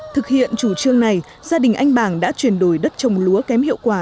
thực hiện chủ trương này gia đình anh bàng đã chuyển đổi đất trồng lúa kém hiệu quả